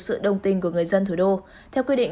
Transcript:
sự đồng tình của người dân thủ đô theo quy định